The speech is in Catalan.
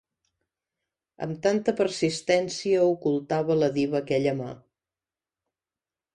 ...amb tanta persistència ocultava la diva aquella mà